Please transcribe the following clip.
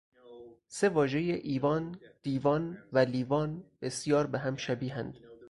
سه واژهٔ ایوان، دیوان و لیوان بسیار به هم شبیهاند